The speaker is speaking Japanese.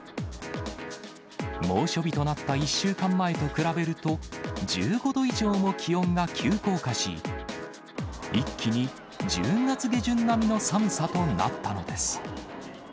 猛暑日となった１週間前と比べると、１５度以上も気温が急降下し、一気に１０月下旬並みの寒さとなったのです。